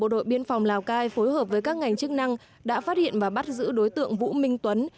đội biên phòng lào cai phối hợp với các ngành chức năng đã phát hiện và bắt giữ đối tượng vũ minh tuấn